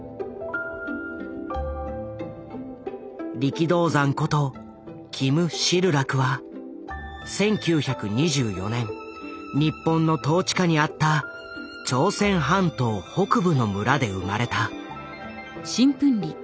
力道山ことキム・シルラクは１９２４年日本の統治下にあった朝鮮半島北部の村で生まれた。